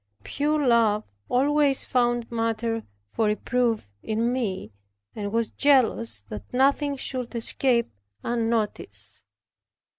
Pure love always found matter for reproof in me, and was jealous that nothing should escape unnoticed.